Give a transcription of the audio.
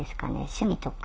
趣味とか。